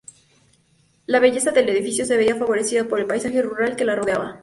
La belleza del edificio se veía favorecida por el paisaje rural que la rodeaba.